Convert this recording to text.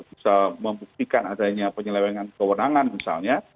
bisa membuktikan adanya penyelewengan kewenangan misalnya